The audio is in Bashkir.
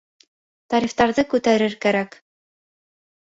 Тарифтарҙы күтәрер кәрәк.